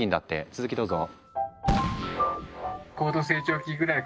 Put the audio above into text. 続きどうぞ。